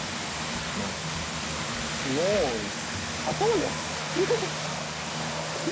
もうもう砂糖です。